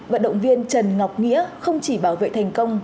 vận động viên trần ngọc nghĩa không chỉ bảo vệ thành công